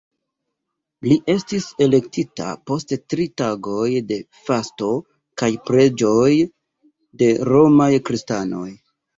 Li estis elektita post tri tagoj de fasto kaj preĝoj de romaj kristanoj.